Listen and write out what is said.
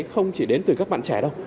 không chỉ đến từ các bạn trẻ đâu